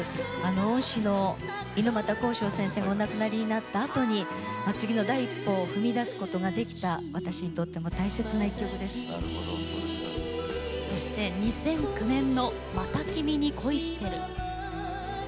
恩師の猪俣公章先生がお亡くなりになったあとに次の第一歩を踏み出すことがそして２００９年の「また君に恋してる」。